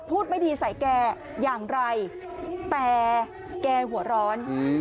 ไม่ดีใส่แกอย่างไรแต่แกหัวร้อน